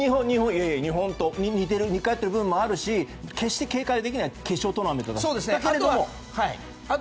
日本と似通っている部分もあるし決して油断できない決勝トーナメントだと。